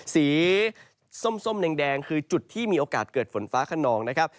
สีส้มแดงคือจุดที่มีโอกาสเกิดฝนฟ้าขนองนะครับ